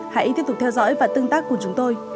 hãy tiếp tục theo dõi và tương tác cùng chúng tôi